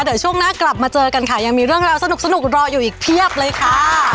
เดี๋ยวช่วงหน้ากลับมาเจอกันค่ะยังมีเรื่องราวสนุกรออยู่อีกเพียบเลยค่ะ